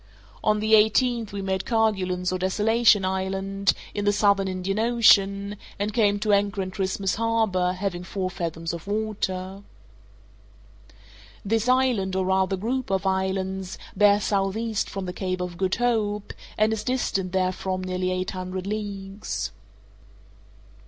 On the eighteenth we made Kerguelen's or Desolation Island, in the Southern Indian Ocean, and came to anchor in Christmas Harbour, having four fathoms of water. This island, or rather group of islands, bears southeast from the Cape of Good Hope, and is distant therefrom nearly eight hundred leagues.